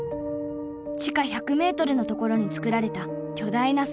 地下１００ｍの所につくられた巨大な装置。